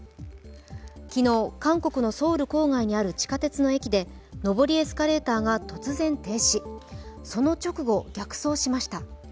昨日、韓国のソウル郊外にある地下鉄の駅で上りエスカレーターが突然停止、その直後、逆走しました。